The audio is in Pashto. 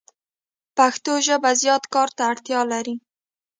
پښتو ژبه زیات کار ته اړتیا لری